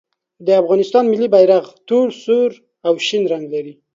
د افغانستان ملي بیرغ تور، سور او شین رنګ لري.